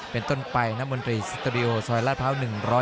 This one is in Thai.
เป็นต้นไปน้ำมนตรีสตูดิโอซอยลาดพร้าว๑๐